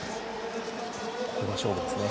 ここが勝負ですね。